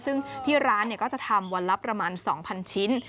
ซึ่งที่ร้านก็จะทำวันละประมาณ๒๐๐ชิ้น